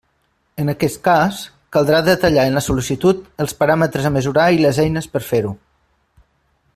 En aquest cas, caldrà detallar en la sol·licitud els paràmetres a mesurar i les eines per fer-ho.